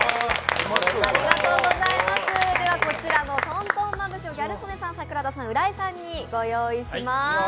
こちらのとんとんまぶしをギャル曽根さん、桜田さん、浦井さんにご用意します。